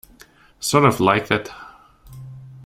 Sort of like that.